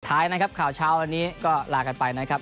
ท้ายนะครับข่าวเช้าวันนี้ก็ลากันไปนะครับ